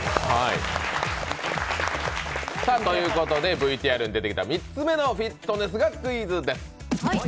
ＶＴＲに出てきた３つ目のフィットネスがクイズです。